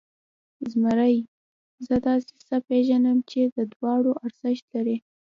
زمري، زه داسې څه پېژنم چې د دواړو ارزښت لري.